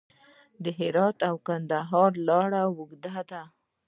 د هرات او کندهار لاره اوږده ده